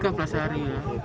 oh tiga belas hari